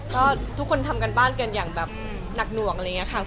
ก็ทุกคนทำการบ้านกันอย่างแบบหนักหน่วงอะไรอย่างนี้ค่ะ